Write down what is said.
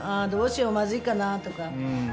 どうしようまずいかなぁとか。